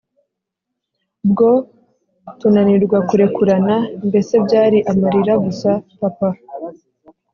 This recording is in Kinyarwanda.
bwo tunanirwa kurekurana Mbese byari amarira gusa Papa